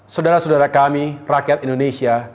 saudara saudara kami rakyat indonesia